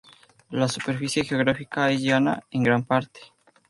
La superficie geográfica es llana en gran parte.